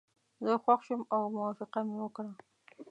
زه خوښ شوم او موافقه مې وکړه.